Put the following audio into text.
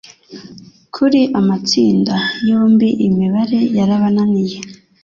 Kuri Amatsinda Yombi imibare yarabananiye